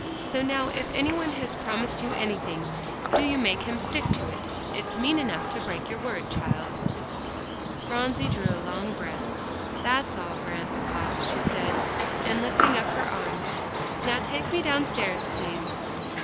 So now if any one has promised you anything, do you make him stick to it. It's mean enough to break your word, child." Phronsie drew a long breath. "That's all, Grandpapa," she said, and lifting up her arms; "now take me downstairs, please."